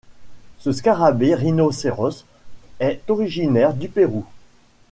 Ce scarabée rhinocéros est originaire du Pérou.